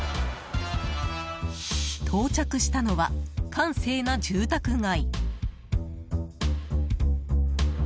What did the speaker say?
到着したのは、閑静な住宅街。